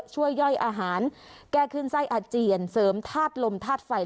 ย่อยอาหารแก้ขึ้นไส้อาเจียนเสริมธาตุลมธาตุไฟ